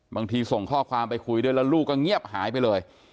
ส่งข้อความไปคุยด้วยแล้วลูกก็เงียบหายไปเลย